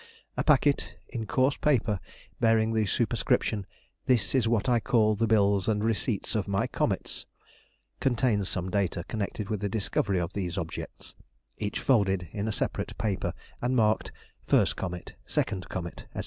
A packet, in coarse paper, bearing the superscription, "This is what I call the Bills and Receipts of my Comets," contains some data connected with the discovery of these objects, each folded in a separate paper, and marked "First Comet," "Second Comet," &c.